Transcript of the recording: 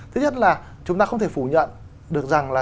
thứ nhất là chúng ta không thể phủ nhận được rằng là